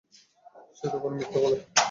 সে তখনো মিথ্যা বলে।